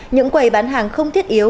những quầy bán hàng không thiết yếu